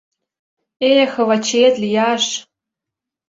Эх, Вачиэт лияш!..